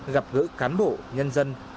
gặp gỡ cán bộ nhân dân